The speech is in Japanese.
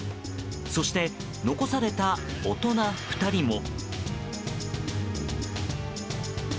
そして、残された大人２人も。